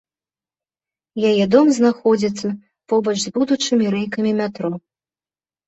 Яе дом знаходзіцца побач з будучымі рэйкамі метро.